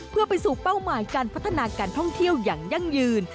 เพื่อไปสู่เป้าหมายการพัฒนาการท่องเที่ยวอย่างยั่งยืน